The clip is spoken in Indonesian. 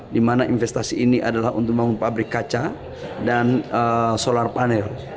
di mana investasi ini adalah untuk membangun pabrik kaca dan solar panel